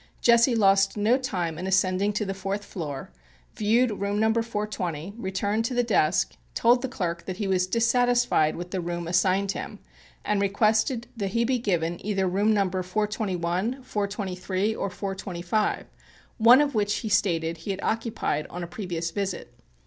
Jesse lost no time in ascending to the fourth floor, viewed room Number 420, returned to the desk, told the clerk that he was dissatisfied with the room assigned him, and requested that he be given either room Number 421, 423, or 425, one of which he stated that he had occupied on a previous visit.